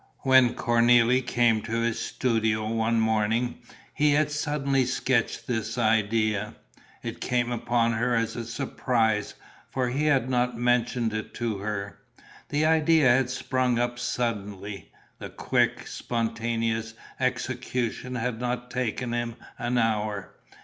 When Cornélie came to his studio one morning, he had suddenly sketched this idea. It came upon her as a surprise, for he had not mentioned it to her: the idea had sprung up suddenly; the quick, spontaneous execution had not taken him an hour.